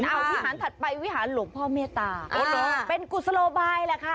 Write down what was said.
เอาวิหารถัดไปวิหารหลวงพ่อเมตตาเป็นกุศโลบายแหละค่ะ